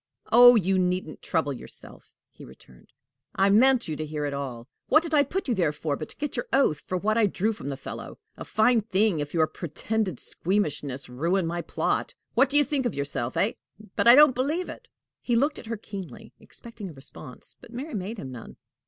"Oh, you needn't trouble yourself!" he returned. "I meant you to hear it all. What did I put you there for, but to get your oath to what I drew from the fellow? A fine thing if your pretended squeamishness ruin my plot! What do you think of yourself, hey? But I don't believe it." He looked at her keenly, expecting a response, but Mary made him none.